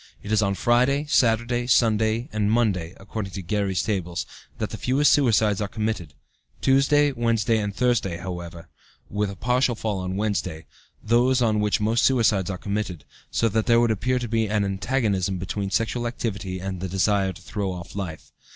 It is on Friday, Saturday, Sunday, and Monday, according to Guerry's tables, that the fewest suicides are committed, Tuesday, Wednesday, and Thursday, with, however, a partial fall on Wednesday, those on which most suicides are committed, so that there would appear to be an antagonism between sexual activity and the desire to throw off life.